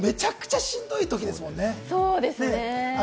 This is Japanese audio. めちゃくちゃしんどいときですもんね。